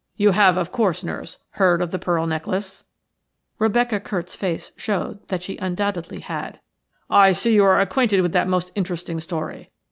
You have, of course, nurse, heard of the pearl necklace?" Rebecca Curt's face showed that she undoubtedly had. "I see you are acquainted with that most interesting story.